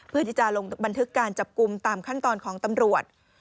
เพื่อที่จะลงบันทึกการจับกลุ่มตามขั้นตอนของตำรวจ